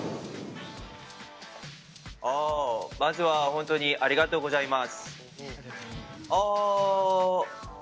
まずは本当にありがとうございます。